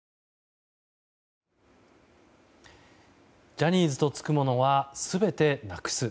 ジャニーズとつくものは全てなくす。